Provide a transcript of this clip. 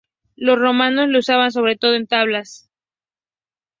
Los romanos la usaban sobre todo en tablas.